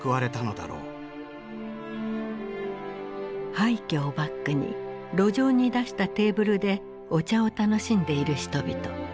廃虚をバックに路上に出したテーブルでお茶を楽しんでいる人々。